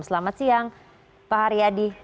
selamat siang pak haryadi